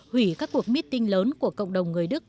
hủy các cuộc meeting lớn của cộng đồng người đức